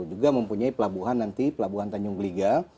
juga mempunyai pelabuhan nanti pelabuhan tanjung gliga